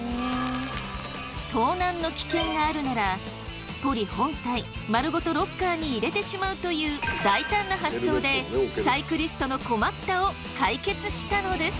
すっぽり本体まるごとロッカーに入れてしまうという大胆な発想でサイクリストの困ったを解決したのです！